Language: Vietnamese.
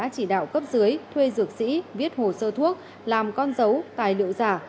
chỉ đạo cấp dưới thuê dược sĩ viết hồ sơ thuốc làm con dấu tài liệu giả